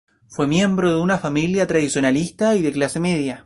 Fue miembro de una familia tradicionalista y de clase media.